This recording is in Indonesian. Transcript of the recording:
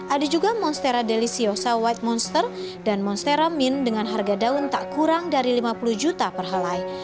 ada juga monstera deliciosa white monster dan monstera min dengan harga daun tak kurang dari lima puluh juta per helai